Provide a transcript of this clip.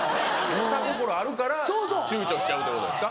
下心あるからちゅうちょしちゃうってことですか。